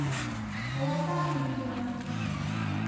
Ҡолатаһың бит уны!